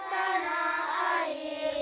kepala bendera merah putih